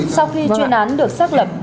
sau khi chuyên án được xác lập